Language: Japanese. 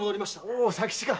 おお佐吉か。